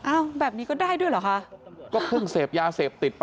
แบบนี้ก็ได้ด้วยเหรอคะก็เพิ่งเสพยาเสพติดไป